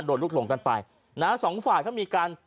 โดนลุกลงกันไปนะฮะ๒ฝ่ายก็มีการ